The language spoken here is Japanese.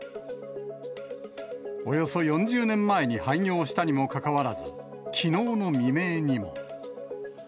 およそ４０年前に廃業したにもかかわらず、きのうの未明にも。